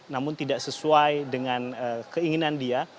namun tidak sesuai dengan keinginan dia